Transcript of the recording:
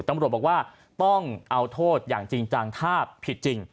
ตำรวจบอกว่าต้องเอาโทษอย่างจริงจังถ้าผิดจริง